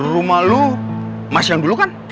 rumah lu mas yang dulu kan